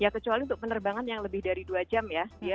kecuali untuk penerbangan yang lebih dari dua jam